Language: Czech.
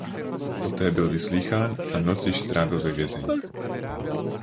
Poté byl vyslýchán a noc již strávil ve vězení.